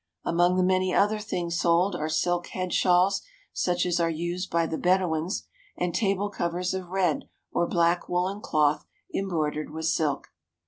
Among the many other things sold are silk head shawls such as are used by the Bedouins, and table covers of red or black woollen cloth embroidered with silk.